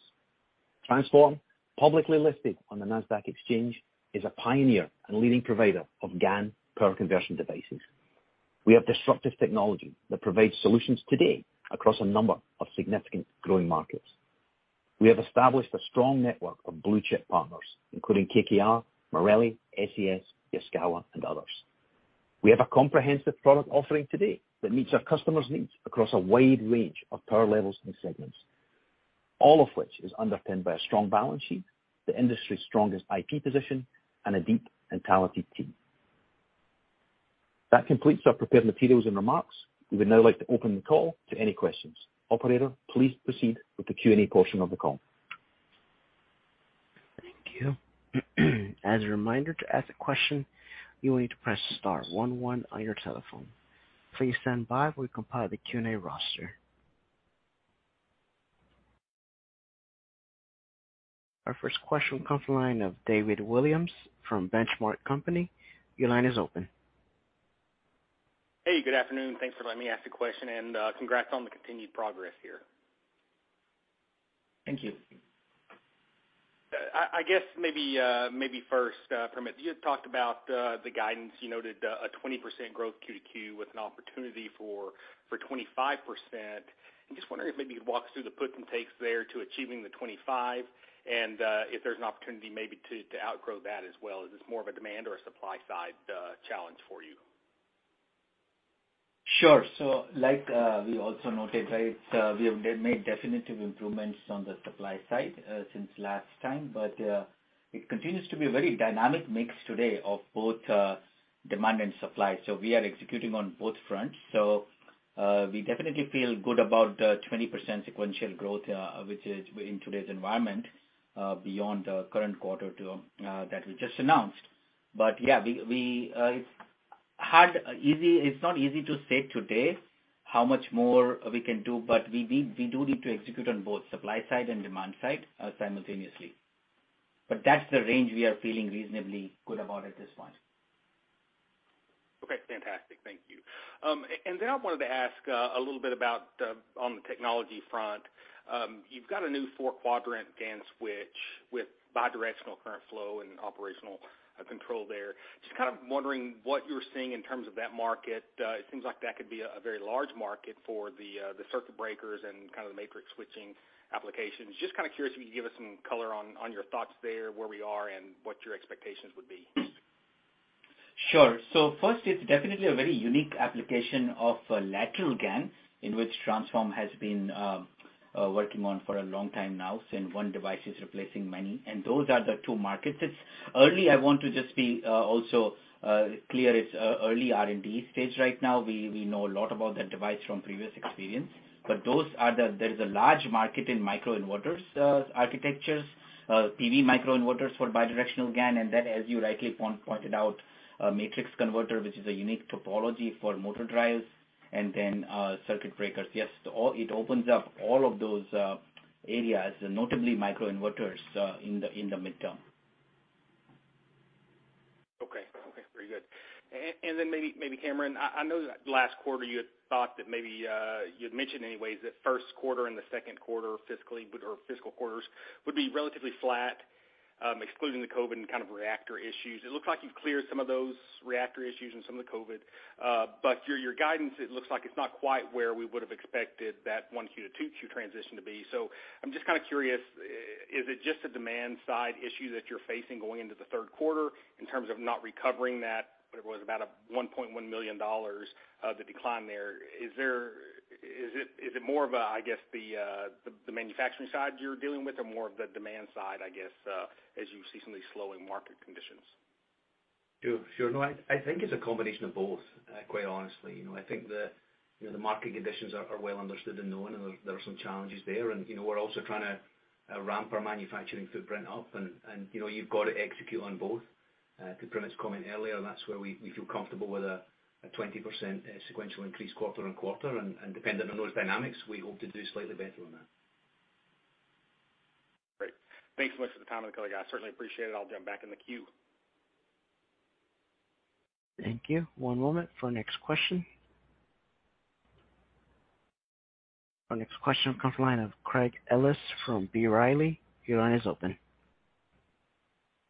[SPEAKER 5] Transphorm, publicly listed on the Nasdaq exchange, is a pioneer and leading provider of GaN power conversion devices. We have disruptive technology that provides solutions today across a number of significant growing markets. We have established a strong network of blue-chip partners, including KKR, Marelli, SES, Yaskawa and others. We have a comprehensive product offering today that meets our customers' needs across a wide range of power levels and segments, all of which is underpinned by a strong balance sheet, the industry's strongest IP position, and a deep and talented team. That completes our prepared materials and remarks. We would now like to open the call to any questions. Operator, please proceed with the Q&A portion of the call.
[SPEAKER 1] Thank you. As a reminder, to ask a question, you will need to press star one one on your telephone. Please stand by while we compile the Q&A roster. Our first question comes from the line of David Williams from The Benchmark Company. Your line is open.
[SPEAKER 6] Hey, good afternoon. Thanks for letting me ask a question. Congrats on the continued progress here.
[SPEAKER 4] Thank you.
[SPEAKER 6] I guess maybe first, Primit, you had talked about the guidance. You noted a 20% growth quarter-over-quater with an opportunity for 25%. I'm just wondering if maybe you could walk us through the puts and takes there to achieving the 25% and if there's an opportunity maybe to outgrow that as well. Is this more of a demand or a supply side challenge for you?
[SPEAKER 4] Sure. Like, we also noted, right, we have made definitive improvements on the supply side, since last time. It continues to be a very dynamic mix today of both demand and supply. We are executing on both fronts. We definitely feel good about 20% sequential growth, which is in today's environment, beyond the current quarter too, that we just announced. Yeah, it's not easy to say today how much more we can do, we do need to execute on both supply side and demand side, simultaneously. That's the range we are feeling reasonably good about at this point.
[SPEAKER 6] Okay, fantastic. Thank you. I wanted to ask a little bit about on the technology front. You've got a new four-quadrant GaN switch with bi-directional current flow and operational control there. Just kind of wondering what you're seeing in terms of that market. It seems like that could be a very large market for the circuit breakers and kind of the matrix switching applications. Just kind of curious if you could give us some color on your thoughts there, where we are, and what your expectations would be.
[SPEAKER 4] Sure. First, it's definitely a very unique application of a lateral GaN, in which Transphorm has been working on for a long time now, since one device is replacing many, and those are the two markets. It's early. I want to just be also clear it's early R&D stage right now. We know a lot about that device from previous experience, but those are the two markets. There is a large market in microinverters architectures, PV microinverters for bi-directional GaN, and then, as you rightly pointed out, a matrix converter, which is a unique topology for motor drives and then circuit breakers. Yes, all it opens up all of those areas, notably microinverters in the midterm.
[SPEAKER 6] Okay. Okay, very good. Maybe Cameron, I know that last quarter you had thought that maybe you'd mentioned anyways that first quarter and the second quarter fiscal quarters would be relatively flat, excluding the COVID and kind of reactor issues. It looks like you've cleared some of those reactor issues and some of the COVID, but your guidance, it looks like it's not quite where we would've expected that 1Q to 2Q transition to be. I'm just kind of curious, is it just a demand side issue that you're facing going into the third quarter in terms of not recovering that, what it was, about a $1.1 million of the decline there? Is there? Is it more of a, I guess, the manufacturing side you're dealing with or more of the demand side, I guess, as you see some of these slowing market conditions?
[SPEAKER 5] Sure. No, I think it's a combination of both, quite honestly. You know, I think the market conditions are well understood and known, and there are some challenges there. You know, we're also trying to ramp our manufacturing footprint up and you know, you've got to execute on both. To Primit's comment earlier, that's where we feel comfortable with a 20% sequential increase quarter on quarter and dependent on those dynamics, we hope to do slightly better on that.
[SPEAKER 6] Great. Thanks so much for the time and the color, guys. Certainly appreciate it. I'll jump back in the queue.
[SPEAKER 1] Thank you. One moment for next question. Our next question comes from the line of Craig Ellis from B. Riley. Your line is open.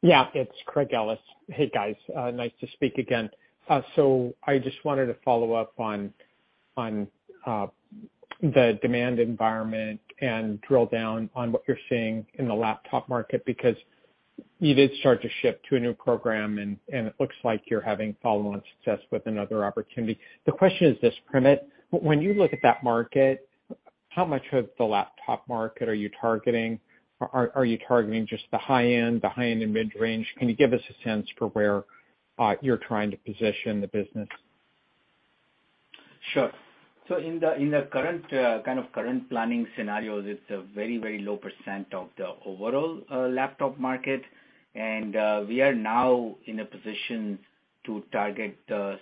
[SPEAKER 7] Yeah, it's Craig Ellis. Hey, guys. Nice to speak again. So I just wanted to follow up on the demand environment and drill down on what you're seeing in the laptop market, because you did start to ship to a new program and it looks like you're having follow-on success with another opportunity. The question is this, Primit, when you look at that market, how much of the laptop market are you targeting? Are you targeting just the high end, the high-end and mid-range? Can you give us a sense for where you're trying to position the business?
[SPEAKER 4] Sure. In the current kind of planning scenarios, it's a very low percent of the overall laptop market. We are now in a position to target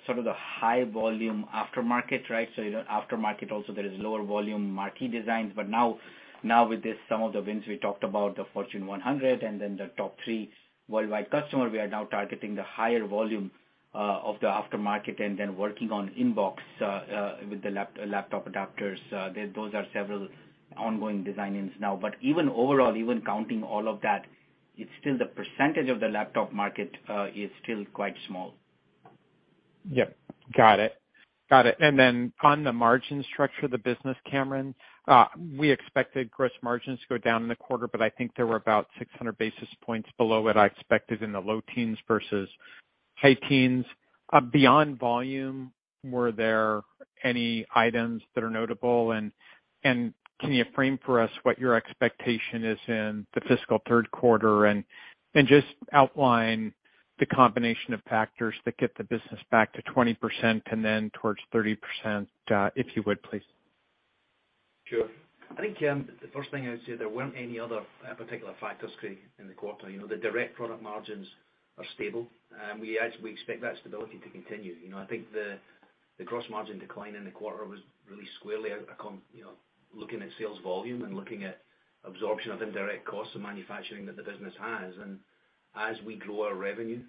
[SPEAKER 4] sort of the high volume aftermarket, right? You know, aftermarket also there is lower volume marquee designs. Now with this, some of the wins we talked about, the Fortune 100 and then the top three worldwide customer, we are now targeting the higher volume of the aftermarket and then working on in-box with the laptop adapters. Those are several ongoing design-ins now. Even overall, even counting all of that, it's still the percentage of the laptop market is still quite small.
[SPEAKER 7] Yep. Got it. Then on the margin structure of the business, Cameron, we expected gross margins to go down in the quarter, but I think there were about 600 basis points below what I expected in the low teens% versus high teens%. Beyond volume, were there any items that are notable? And can you frame for us what your expectation is in the fiscal third quarter and just outline the combination of factors that get the business back to 20% and then towards 30%, if you would, please.
[SPEAKER 5] Sure. I think the first thing I would say, there weren't any other particular factors, Craig, in the quarter. You know, the direct product margins are stable, and we expect that stability to continue. You know, I think the gross margin decline in the quarter was really squarely, you know, looking at sales volume and looking at absorption of indirect costs of manufacturing that the business has. As we grow our revenue,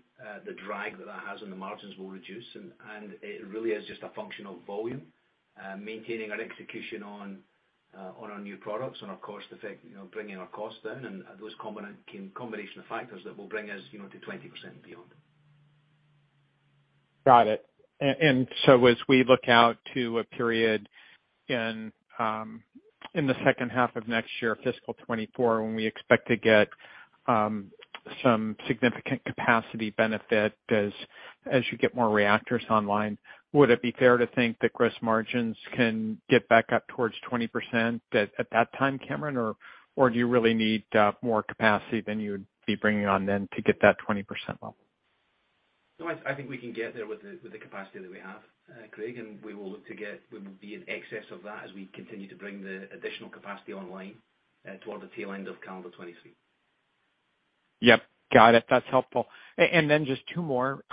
[SPEAKER 5] the drag that has on the margins will reduce, and it really is just a function of volume, maintaining our execution on our new products and of course the fact, you know, bringing our costs down and those combination of factors that will bring us, you know, to 20% and beyond.
[SPEAKER 7] Got it. As we look out to a period in the second half of next year, fiscal 2024, when we expect to get some significant capacity benefit as you get more reactors online, would it be fair to think that gross margins can get back up towards 20% at that time, Cameron? Or do you really need more capacity than you would be bringing on then to get that 20% level?
[SPEAKER 5] No, I think we can get there with the capacity that we have, Craig, and we will be in excess of that as we continue to bring the additional capacity online, toward the tail end of calendar 2023.
[SPEAKER 7] Yep. Got it. That's helpful. Just two more.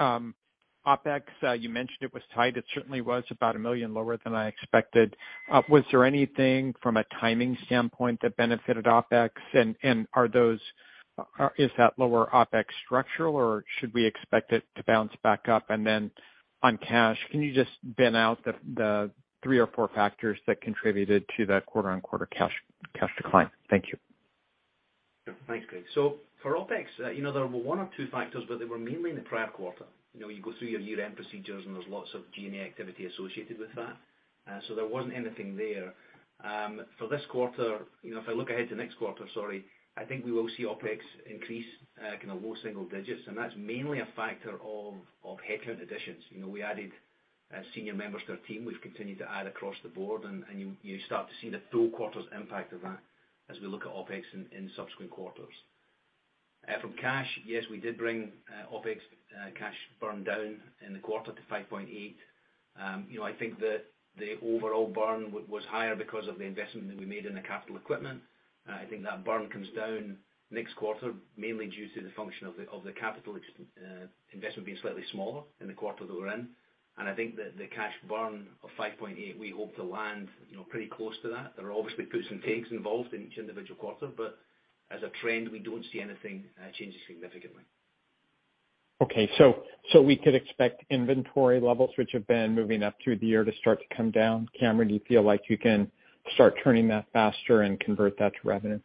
[SPEAKER 7] OpEx, you mentioned it was tight. It certainly was about $1 million lower than I expected. Was there anything from a timing standpoint that benefited OpEx? And is that lower OpEx structural, or should we expect it to bounce back up? On cash, can you just break down the three or four factors that contributed to that quarter-over-quarter cash decline? Thank you.
[SPEAKER 5] Yeah. Thanks, Craig. For OpEx, you know, there were one or two factors, but they were mainly in the prior quarter. You know, you go through your year-end procedures, and there's lots of G&A activity associated with that. There wasn't anything there. For this quarter, you know, if I look ahead to next quarter, sorry, I think we will see OpEx increase kinda low single digits%, and that's mainly a factor of headcount additions. You know, we added senior members to our team. We've continued to add across the board, and you start to see the full quarter's impact of that as we look at OpEx in subsequent quarters. From cash, yes, we did bring OpEx cash burn down in the quarter to $5.8 million. I think the overall burn was higher because of the investment that we made in the capital equipment. I think that burn comes down next quarter, mainly due to the function of the capital CapEx investment being slightly smaller in the quarter that we're in. I think that the cash burn of $5.8 million, we hope to land, you know, pretty close to that. There are obviously puts and takes involved in each individual quarter, but as a trend, we don't see anything changing significantly.
[SPEAKER 7] We could expect inventory levels which have been moving up through the year to start to come down. Cameron, do you feel like you can start turning that faster and convert that to revenue?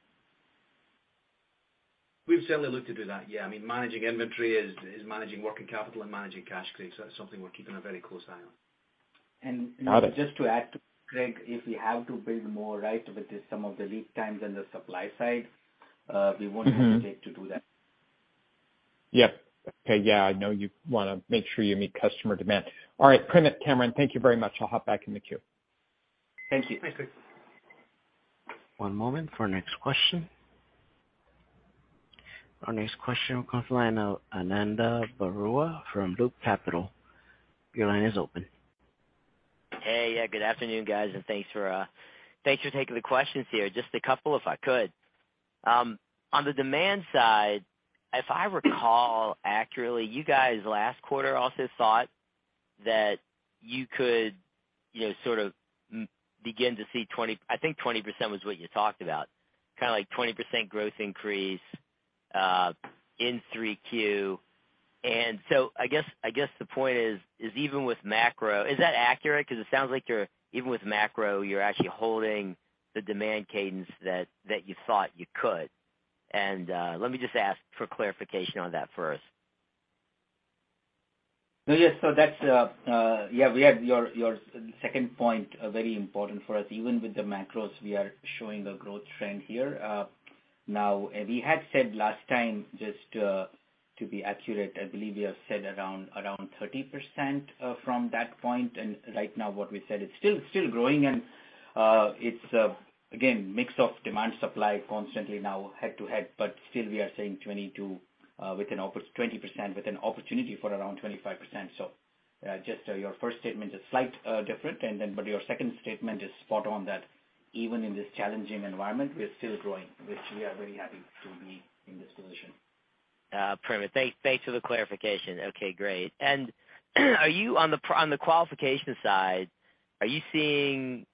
[SPEAKER 5] We've certainly looked to do that, yeah. I mean, managing inventory is managing working capital and managing cash flows. That's something we're keeping a very close eye on.
[SPEAKER 7] Got it.
[SPEAKER 4] Just to add, Craig, if we have to build more, right, with some of the lead times on the supply side, we won't hesitate to do that.
[SPEAKER 7] Yep. Okay. Yeah, I know you wanna make sure you meet customer demand. All right. Primit, Cameron, thank you very much. I'll hop back in the queue.
[SPEAKER 4] Thank you.
[SPEAKER 5] Thanks, Craig.
[SPEAKER 1] One moment for next question. Our next question comes from the line of Ananda Baruah from Loop Capital. Your line is open.
[SPEAKER 8] Hey. Yeah, good afternoon, guys, and thanks for taking the questions here. Just a couple, if I could. On the demand side, if I recall accurately, you guys last quarter also thought that you could, you know, sort of begin to see 20%. I think 20% was what you talked about. Kinda like 20% growth increase in 3Q. I guess the point is even with macro. Is that accurate? 'Cause it sounds like you're, even with macro, you're actually holding the demand cadence that you thought you could. Let me just ask for clarification on that first.
[SPEAKER 4] No. Yes. That's, yeah, we had your second point very important for us. Even with the macros, we are showing a growth trend here. Now, we had said last time, just to be accurate, I believe we have said around 30% from that point. Right now what we said it's still growing and it's again mix of demand supply constantly now head to head, but still we are saying 22% with an opportunity for around 25%. Just your first statement is slight different and then but your second statement is spot on that even in this challenging environment, we are still growing, which we are very happy to be in this position.
[SPEAKER 8] Primit, thanks for the clarification. Okay, great. Are you on the qualification side seeing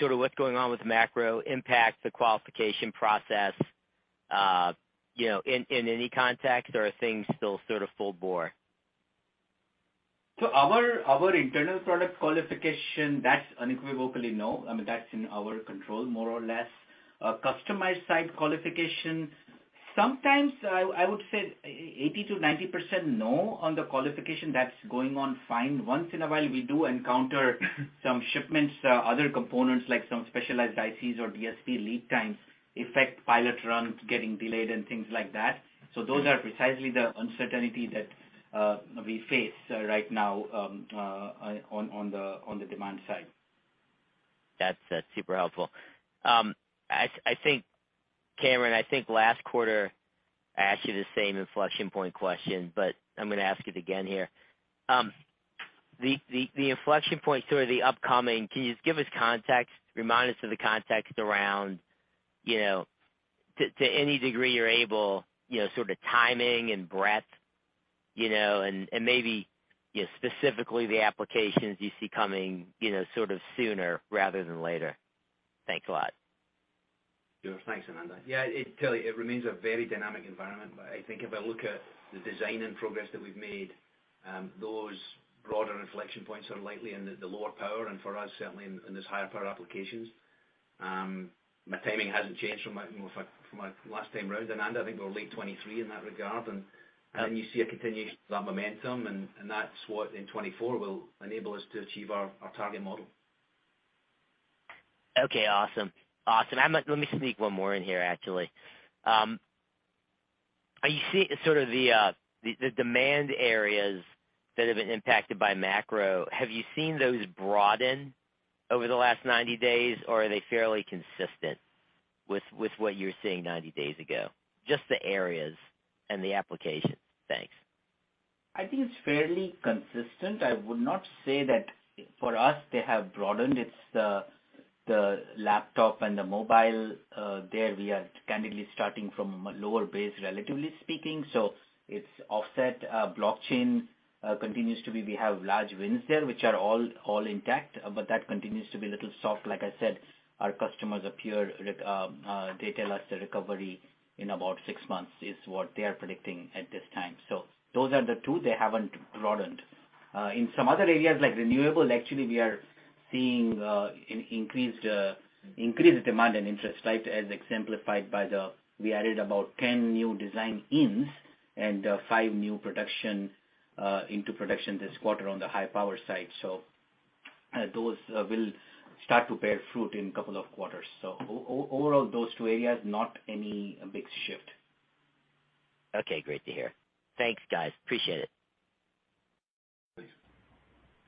[SPEAKER 8] sort of what's going on with macro impacting the qualification process, you know, in any context, or are things still sort of full bore?
[SPEAKER 4] Our internal product qualification, that's unequivocally no. I mean, that's in our control more or less. Customized side qualification, sometimes I would say 80%-90% no on the qualification that's going on fine. Once in a while we do encounter some shipments, other components like some specialized ICs or DSP lead times affect pilot runs getting delayed and things like that. Those are precisely the uncertainty that we face right now, on the demand side.
[SPEAKER 8] That's super helpful. I think, Cameron, I think last quarter I asked you the same inflection point question, but I'm gonna ask it again here. The inflection point sort of the upcoming, can you just give us context, remind us of the context around, you know, to any degree you're able, you know, sort of timing and breadth, you know, and maybe, you know, specifically the applications you see coming, you know, sort of sooner rather than later. Thanks a lot.
[SPEAKER 5] Sure. Thanks, Ananda. Yeah, it clearly remains a very dynamic environment. I think if I look at the design and progress that we've made, those broader inflection points are likely in the lower power and for us, certainly in this higher power applications. My timing hasn't changed from my last time round, Ananda. I think we're late 2023 in that regard. You see a continuation of that momentum and that's what in 2024 will enable us to achieve our target model.
[SPEAKER 8] Okay. Awesome. Let me sneak one more in here, actually. Are you seeing sort of the demand areas that have been impacted by macro? Have you seen those broaden over the last 90 days, or are they fairly consistent with what you were seeing 90 days ago? Just the areas and the applications. Thanks.
[SPEAKER 4] I think it's fairly consistent. I would not say that for us, they have broadened. It's the laptop and the mobile, there we are candidly starting from a lower base, relatively speaking. It's offset. Blockchain continues to be. We have large wins there which are all intact, but that continues to be a little soft. Like I said, our customers appear, they tell us the recovery in about six months is what they are predicting at this time. Those are the two. They haven't broadened. In some other areas like renewable, actually we are seeing increased demand and interest, right? As exemplified by the, we added about 10 new design wins and, 5 new production into production this quarter on the high power side. Those will start to bear fruit in a couple of quarters. Overall, those two areas, not any big shift.
[SPEAKER 8] Okay, great to hear. Thanks, guys. Appreciate it.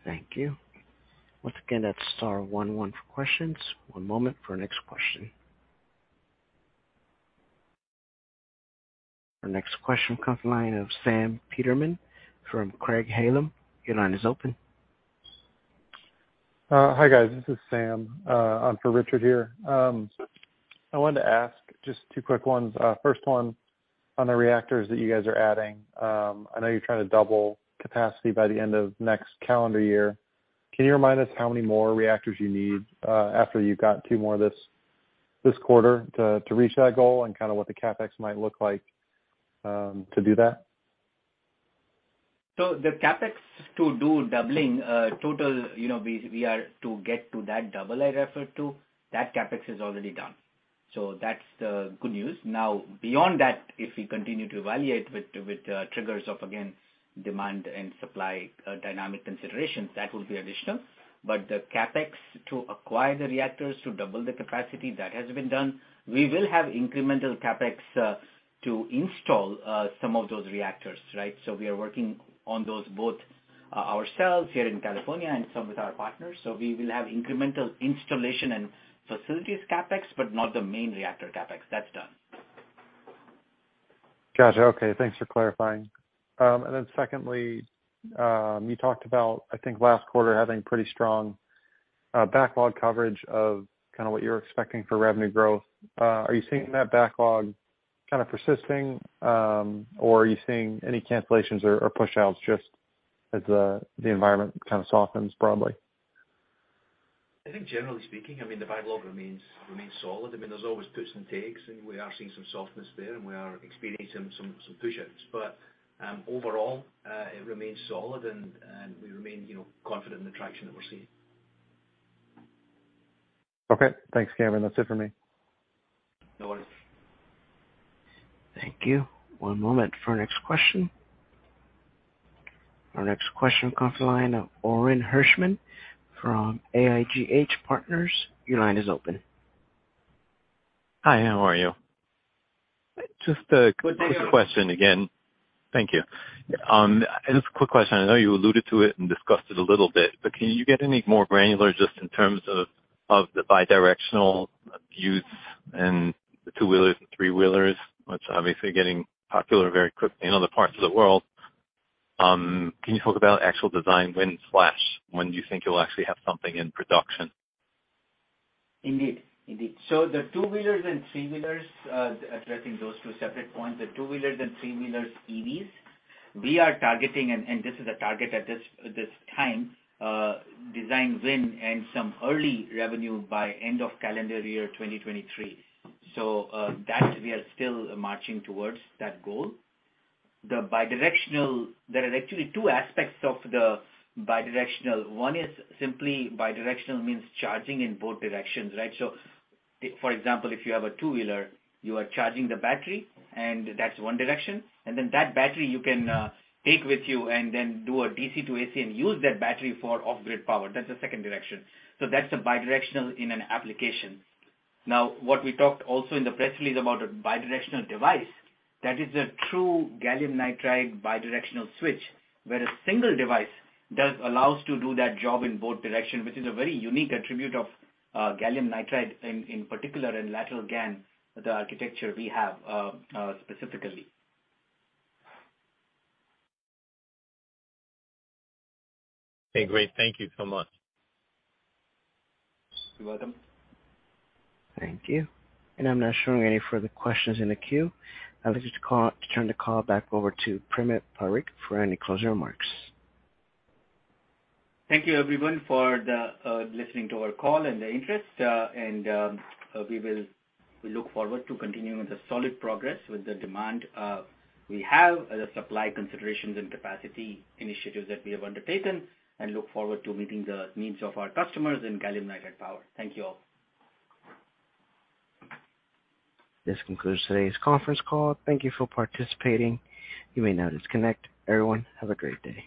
[SPEAKER 1] Thank you. Once again, that's star one one for questions. One moment for next question. Our next question comes from the line of Sam Peterman from Craig-Hallum. Your line is open.
[SPEAKER 9] Hi, guys. This is Sam on for Richard Shannon here. I wanted to ask just two quick ones. First one, on the reactors that you guys are adding. I know you're trying to double capacity by the end of next calendar year. Can you remind us how many more reactors you need after you've got two more this quarter to reach that goal and kind of what the CapEx might look like to do that?
[SPEAKER 4] The CapEx to do doubling, total, you know, we are to get to that double I referred to, that CapEx is already done. That's the good news. Now, beyond that, if we continue to evaluate with triggers of again, demand and supply, dynamic considerations, that will be additional. The CapEx to acquire the reactors to double the capacity, that has been done. We will have incremental CapEx to install some of those reactors, right? We are working on those both ourselves here in California and some with our partners. We will have incremental installation and facilities CapEx, but not the main reactor CapEx. That's done.
[SPEAKER 9] Gotcha. Okay, thanks for clarifying. Then secondly, you talked about, I think, last quarter having pretty strong backlog coverage of kind of what you're expecting for revenue growth. Are you seeing that backlog kind of persisting, or are you seeing any cancellations or pushouts just as the environment kind of softens broadly?
[SPEAKER 5] I think generally speaking, I mean, the backlog remains solid. I mean, there's always puts and takes, and we are seeing some softness there, and we are experiencing some pushouts. Overall, it remains solid and we remain, you know, confident in the traction that we're seeing.
[SPEAKER 9] Okay. Thanks, Cameron. That's it for me.
[SPEAKER 5] No worries.
[SPEAKER 1] Thank you. One moment for our next question. Our next question comes to the line of Orin Hirschman from AIGH Partners. Your line is open.
[SPEAKER 10] Hi, how are you?
[SPEAKER 5] Good, thank you.
[SPEAKER 10] Just a quick question again. Thank you. I know you alluded to it and discussed it a little bit, but can you get any more granular just in terms of the bi-directional views and the two-wheelers and three-wheelers, which are obviously getting popular very quickly in other parts of the world. Can you talk about actual design win, when do you think you'll actually have something in production?
[SPEAKER 4] Indeed. The two-wheelers and three-wheelers, addressing those two separate points, the two-wheelers and three-wheelers EVs, we are targeting, and this is a target at this time, design win and some early revenue by end of calendar year 2023. That we are still marching towards that goal. The bi-directional, there are actually two aspects of the bi-directional. One is simply bi-directional means charging in both directions, right? For example, if you have a two-wheeler, you are charging the battery and that's one direction. Then that battery you can take with you and then do a DC to AC and use that battery for off-grid power. That's the second direction. That's a bi-directional in an application. Now, what we talked also in the press release about a bi-directional device, that is a true gallium nitride bi-directional switch. Where a single device allows to do that job in both direction, which is a very unique attribute of gallium nitride in particular in lateral GaN, the architecture we have, specifically.
[SPEAKER 10] Okay, great. Thank you so much.
[SPEAKER 4] You're welcome.
[SPEAKER 1] Thank you. I'm not showing any further questions in the queue. I'd like us to turn the call back over to Primit Parikh for any closing remarks.
[SPEAKER 4] Thank you everyone for listening to our call and the interest. We will look forward to continuing the solid progress with the demand we have, the supply considerations and capacity initiatives that we have undertaken and look forward to meeting the needs of our customers in gallium nitride power. Thank you all.
[SPEAKER 1] This concludes today's conference call. Thank you for participating. You may now disconnect. Everyone, have a great day.